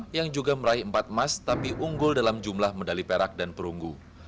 yang juga meraih empat emas tapi unggul dalam jumlah medali perak dan perunggu